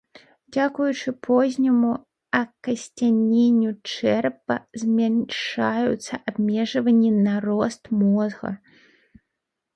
Дзякуючы позняму акасцяненню чэрапа змяншаюцца абмежаванні на рост мозга.